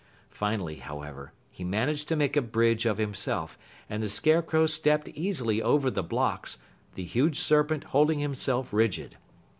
Finally, however, he managed to make a bridge of himself, and the Scarecrow stepped easily over the blocks, the huge serpent holding himself rigid.